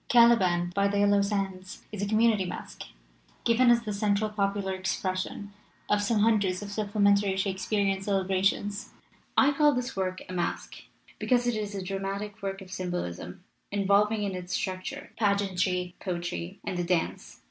Caliban by the Yellow Sands is a com munity masque, given as the central popular expression of some hundreds of supplementary Shakespearian celebrations. "I call this work a masque, because it is a dramatic work of symbolism, involving in its structure pageantry, poetry, and the dance.